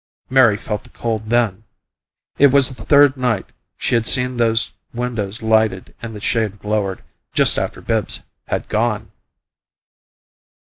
Mary felt the cold then it was the third night she had seen those windows lighted and the shade lowered, just after Bibbs had gone.